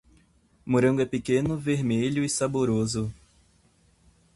O morango é pequeno, vermelho e saboroso.